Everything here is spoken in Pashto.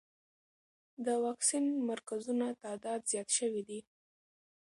د واکسین مرکزونو تعداد زیات شوی دی.